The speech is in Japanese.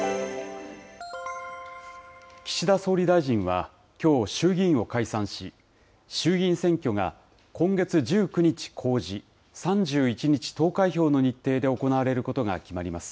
岸田総理大臣はきょう、衆議院を解散し、衆議院選挙が今月１９日公示、３１日投開票の日程で行われることが決まります。